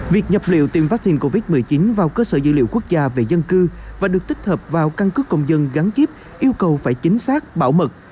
việc nhập liệu tiêm vaccine covid một mươi chín vào cơ sở dữ liệu quốc gia về dân cư và được tích hợp vào căn cứ công dân gắn chip yêu cầu phải chính xác bảo mật